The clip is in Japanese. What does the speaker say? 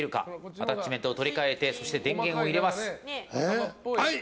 アタッチメントを取り換えて電源を入れます。